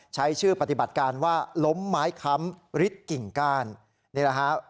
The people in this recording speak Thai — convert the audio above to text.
ใช้ชื่อปฏิบัติการว่าล้มไม้ค้ำริดกิ่งก้านนี่แหละฮะ